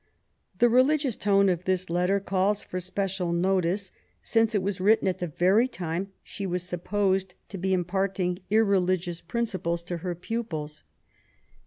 The religious tone of this letter calls for special notice^ since it was written at the very time she was supposed to be imparting irreligious principles to her pupils.